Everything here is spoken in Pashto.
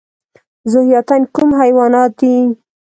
ذوحیاتین کوم حیوانات دي؟